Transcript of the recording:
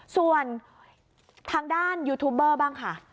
ส่วนทางด้านยูทูบเบอร์บ้างค่ะ